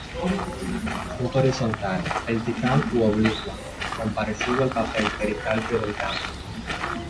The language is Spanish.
Fruto horizontal, vertical u oblicua, con, parecido al papel pericarpio delgado.